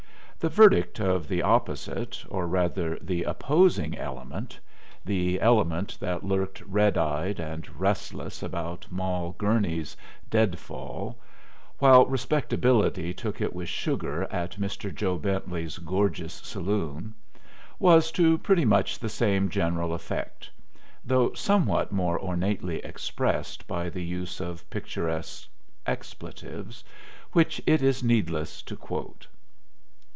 The verdict of the opposite, or rather the opposing, element the element that lurked red eyed and restless about Moll Gurney's "deadfall," while respectability took it with sugar at Mr. Jo. Bentley's gorgeous "saloon" was to pretty much the same general effect, though somewhat more ornately expressed by the use of picturesque expletives, which it is needless to quote.